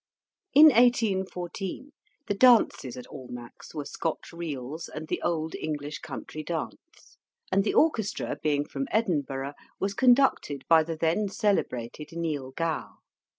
In 1814, the dances at Almack's were Scotch reels and the old English country dance; and the orchestra, being from Edinburgh, was conducted by the then celebrated Neil Gow.